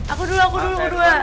aku dulu aku dulu